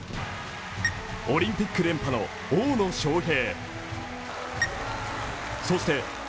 オリンピック連覇の大野将平。